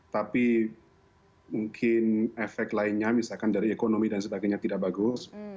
tapi mungkin efek lainnya misalkan dari ekonomi dan sebagainya tidak bagus